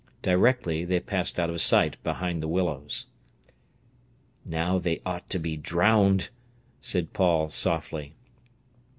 Directly they passed out of sight behind the willows. "Now they ought to be drowned," said Paul softly.